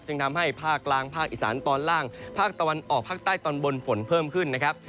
ทำให้ภาคกลางภาคอีสานตอนล่างภาคตะวันออกภาคใต้ตอนบนฝนเพิ่มขึ้นนะครับ